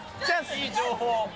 いい情報。